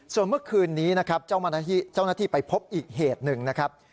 ส่วนเมื่อคืนนี้นะครับเจ้าหน้าที่ไปพบอีกเหตุหนึ่งนะครับ